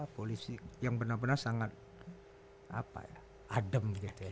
polisi yang benar benar sangat adem